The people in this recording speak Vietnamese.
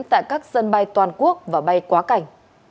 tại các sân bay toàn quốc và bay quá cảnh